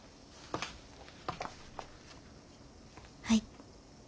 はい。